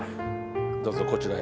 どうぞこちらへ。